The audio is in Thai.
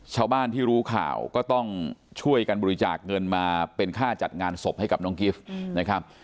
ชาวบ้านที่รู้ข่าวก็ต้องช่วยกันบริจาคเงินมาเป็นค่าจัดงานศพให้กับน้องกิฟต์นะครับ